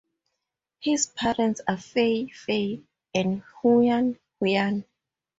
His parents are Fei Fei and Huan Huan.